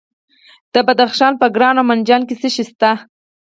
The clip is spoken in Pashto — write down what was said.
د بدخشان په کران او منجان کې څه شی شته؟